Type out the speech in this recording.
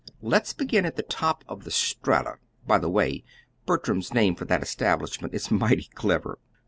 Let's begin at the top of the Strata by the way, Bertram's name for that establishment is mighty clever!